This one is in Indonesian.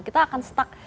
kita akan stuck